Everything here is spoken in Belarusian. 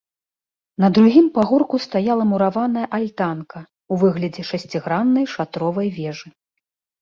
На другім пагорку стаяла мураваная альтанка ў выглядзе шасціграннай шатровай вежы.